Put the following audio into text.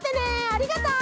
ありがとう！